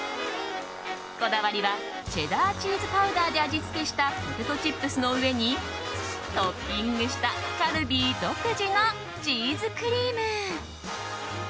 こだわりはチェダーチーズパウダーで味付けしたポテトチップスの上にトッピングしたカルビー独自のチーズクリーム。